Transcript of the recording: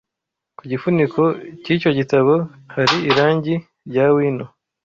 Ku gifuniko cy'icyo gitabo hari irangi rya wino.